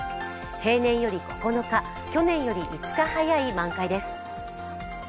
平年より９日、去年より５日早い満開です。